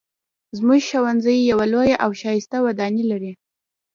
زموږ ښوونځی یوه لویه او ښایسته ودانۍ لري